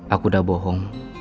aku udah bohong